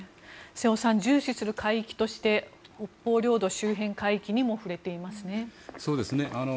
瀬尾さん重視する海域として北方領土周辺海域にも触れていますね。